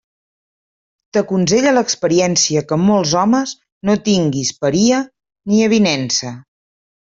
T'aconsella l'experiència que amb molts homes no tinguis paria ni avinença.